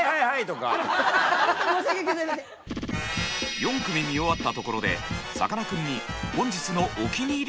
４組見終わったところでさかなクンに本日のお気に入り